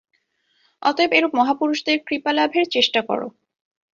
অতএব এরূপ মহাপুরুষদের কৃপালাভের চেষ্টা কর।